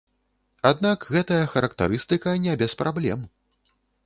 Аднак гэтая характарыстыка не без праблем.